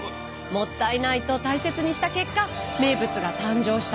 もったいないと大切にした結果名物が誕生したんです。